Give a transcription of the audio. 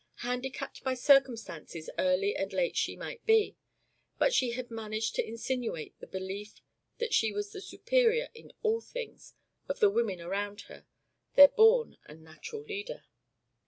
Handicapped by circumstances early and late she might be, but she had managed to insinuate the belief that she was the superior in all things of the women around her, their born and natural leader.